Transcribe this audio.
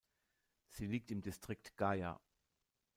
Sie liegt im Distrikt Gaya.